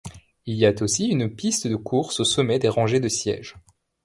Il y a aussi une piste de course au sommet des rangées de sièges.